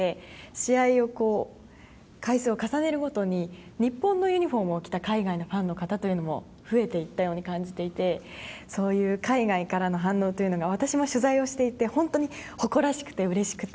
試合の回数を重ねるごとに日本のユニホームを着た海外のファンの方も増えていったように感じていてそういう海外からの反応というのが私も取材をしていて誇らしくてうれしくて。